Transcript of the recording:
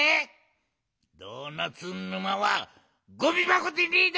ドーナツ沼はゴミばこでねえど！